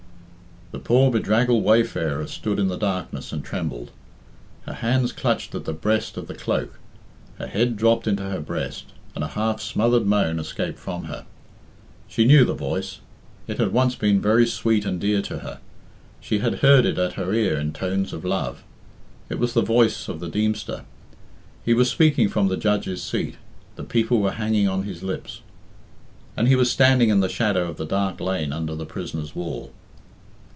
The poor bedraggled wayfarer stood in the darkness and trembled. Her hands clutched at the breast of the cloak, her head dropped into her breast, and a half smothered moan escaped from her. She knew the voice; it had once been very sweet and dear to her; she had heard it at her ear in tones of love. It was the voice of the Deemster. He was speaking from the judge's seat; the people were hanging on his lips. And he was standing in the shadow of the dark lane under the prisoners' wall.